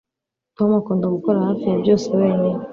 Tom akunda gukora hafi ya byose wenyine